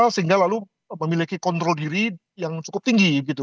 sehingga lalu memiliki kontrol diri yang cukup tinggi